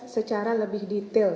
secara lebih detail